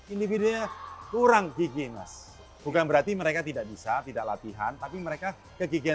individunya kurang gigi mas bukan berarti mereka tidak bisa tidak latihan tapi mereka kegigihan